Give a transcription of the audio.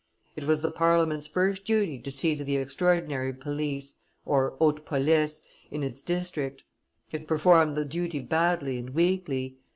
It was the Parliament's first duty to see to the extraordinary police (haute police) in its district; it performed the duty badly and weakly.